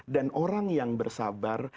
dan orang yang bersabar